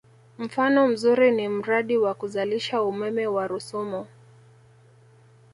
Mfano mzuri ni mradi wa kuzalisha umeme wa Rusumo